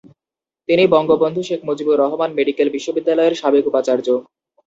তিনি বঙ্গবন্ধু শেখ মুজিব মেডিকেল বিশ্ববিদ্যালয়ের সাবেক উপাচার্য।